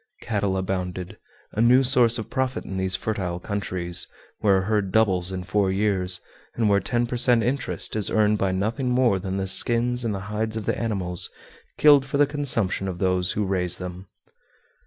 Cattle abounded a new source of profit in these fertile countries, where a herd doubles in four years, and where ten per cent. interest is earned by nothing more than the skins and the hides of the animals killed for the consumption of those who raise them!